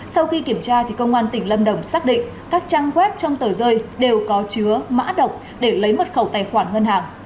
sau khi kiểm tra công an tỉnh lâm đồng xác định các trang web trong tờ rơi đều có chứa mã độc để lấy mật khẩu tài khoản ngân hàng